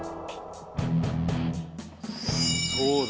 そうだ。